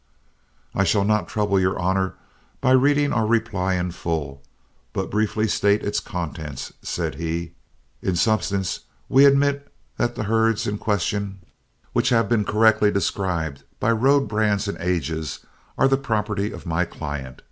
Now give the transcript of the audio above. "I shall not trouble your honor by reading our reply in full, but briefly state its contents," said he, in substance. "We admit that the herds in question, which have been correctly described by road brands and ages, are the property of my client.